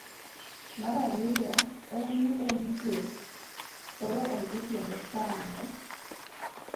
Mar ariyo en ni en chwech koro onge tiende sando